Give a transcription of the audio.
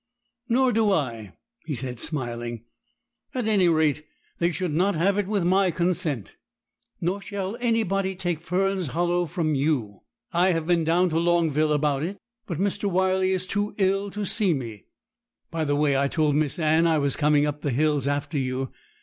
'Nor do I,' he said, smiling; 'at any rate, they should not have it with my consent. Nor shall anybody take Fern's Hollow from you. I have been down to Longville about it, but Mr. Wyley is too ill to see me. By the way, I told Miss Anne I was coming up the hills after you.